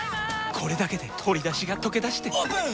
これだけで鶏だしがとけだしてオープン！